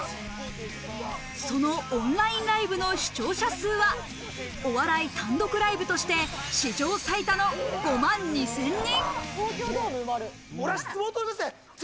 そのオンラインライブの視聴者数はお笑い単独ライブとして史上最多の５万２０００人。